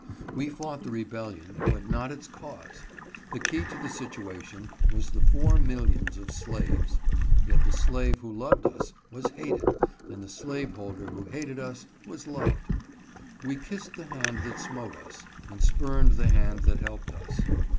We fought the rebellion, but not its cause. The key to the situation was the four millions of slaves ; yet the slave who loved us, was hated, and the slaveholder who hated us, was loved. We kissed the hand that smote us, and spurned the hand that helped us.